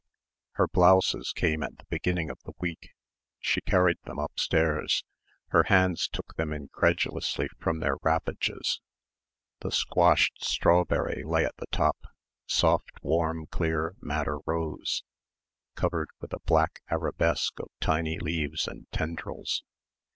Her blouses came at the beginning of the week. She carried them upstairs. Her hands took them incredulously from their wrappages. The "squashed strawberry" lay at the top, soft warm clear madder rose, covered with a black arabesque of tiny leaves and tendrils.